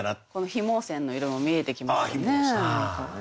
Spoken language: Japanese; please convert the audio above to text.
緋毛氈の色も見えてきますよね。